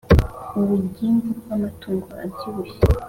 ’urugimbu rw’amatungo abyibushye,